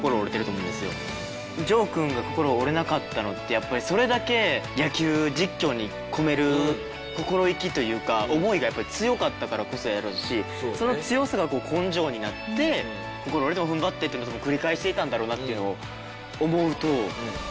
やっぱりそれだけ野球実況に込める心意気というか思いがやっぱり強かったからこそやろうしその強さが根性になって心折れても踏ん張ってっていうのを繰り返していたんだろうなっていうのを思うと。